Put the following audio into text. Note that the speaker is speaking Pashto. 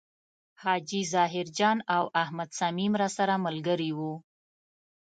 حاجي ظاهر جان او احمد صمیم راسره ملګري و.